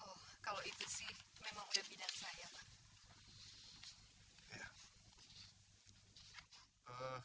oh kalau itu sih memang sudah pindah saya pak